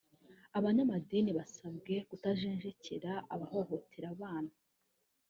Abanyamadini basabwe kutajejenkera abahohotera abana